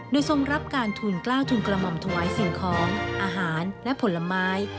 โดยทรงรับการทุนกล้าวทุนกระหม่อมถวายสิ่งของอาหารและผลไม้